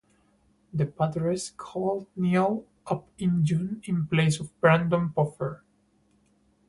The Padres called Neal up in June in place of Brandon Puffer.